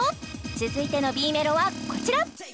続いてのＢメロはこちら！